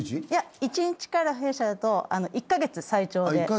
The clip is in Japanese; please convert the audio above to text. いや１日から弊社だと１カ月最長で。